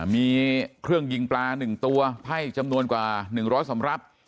มีเครื่องยิงปลา๑ตัวไพ่จำนวนกว่า๑๐๐สำรับ